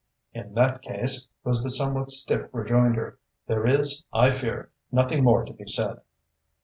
"In that case," was the somewhat stiff rejoinder, "there is, I fear, nothing more to be said."